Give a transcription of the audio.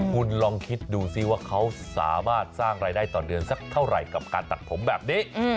คุณลองคิดดูสิว่าเขาสามารถสร้างรายได้ต่อเดือนสักเท่าไหร่กับการตัดผมแบบนี้